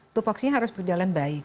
tupoksinya harus berjalan baik